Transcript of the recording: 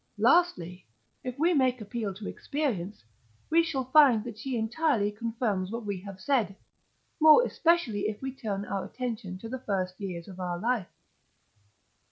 Lastly, if we make appeal to Experience, we shall find that she entirely confirms what we have said; more especially if we turn our attention to the first years of our life.